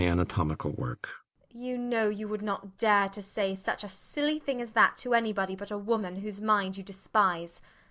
You know you would not dare to say such a silly thing as that to anybody but a woman whose mind you despise.